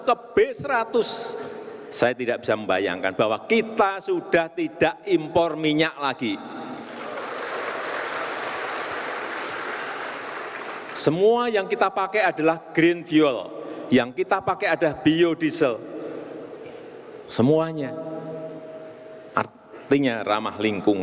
karena kita memiliki semuanya di sini yang kita olah